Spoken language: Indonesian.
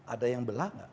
ada yang belah enggak